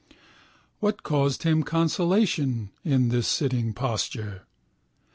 What caused him consolation in his sitting posture?